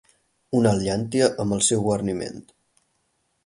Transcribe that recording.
Una llàntia amb el seu guarniment.